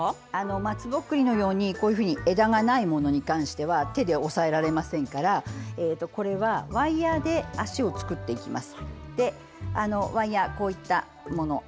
松ぼっくりのように枝がないものに関しては手で押さえられませんからこれは、ワイヤ−で足を作っていきます。